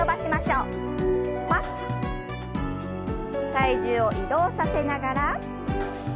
体重を移動させながら。